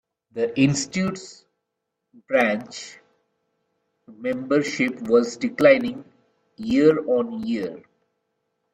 The Institute's branch membership was declining year-on-year.